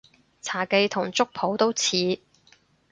茶記同粥舖都似